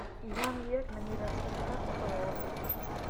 Hiru handiak mendi-lasterketa oso gogorra da.